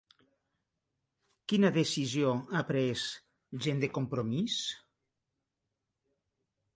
Quina decisió ha pres Gent de Compromís?